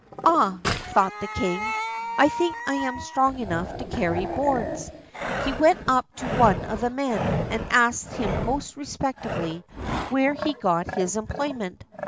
Ah! thought the king, I think I am strong enough to carry boards. He went up to one of the men, and asked him most respectfully where he got his employment.